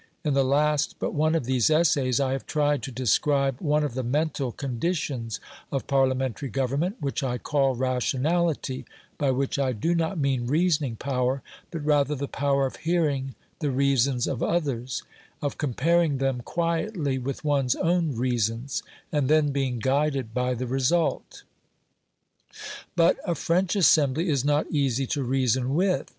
In the last but one of these essays I have tried to describe one of the mental conditions of Parliamentary Government, which I call "rationality," by which I do not mean reasoning power, but rather the power of hearing the reasons of others, of comparing them quietly with one's own reasons, and then being guided by the result. But a French Assembly is not easy to reason with.